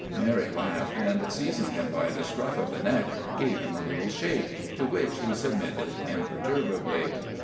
Mary laughed and seizing him by the scruff of the neck gave him a little shake, to which he submitted imperturbably.